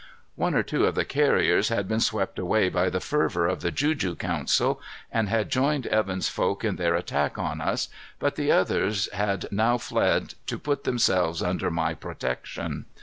One or two of the carriers had been swept away by the fervor of the juju council and had joined Evan's folk in their attack on us, but the others had now fled to put themselves under my protection.